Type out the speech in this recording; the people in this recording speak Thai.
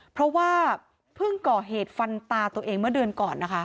เพราะว่าเพิ่งก่อเหตุฟันตาตัวเองเมื่อเดือนก่อนนะคะ